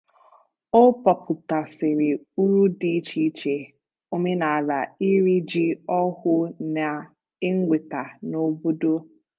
Ọ kpọpụtasịrị úrù dị iche iche omenala iri ji ọhụụ na-eweta n'obodo